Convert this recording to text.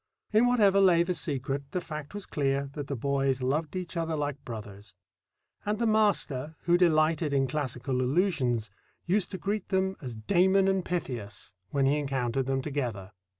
In whatever lay the secret, the fact was clear that the boys loved each other like brothers; and the master, who delighted in classical allusions, used to greet them as Damon and Pythias when he encountered them together.